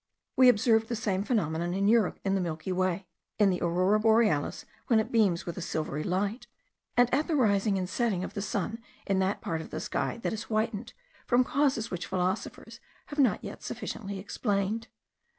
We observe the same phenomenon in Europe in the Milky Way, in the aurora borealis when it beams with a silvery light; and at the rising and setting of the sun in that part of the sky that is whitened* from causes which philosophers have not yet sufficiently explained.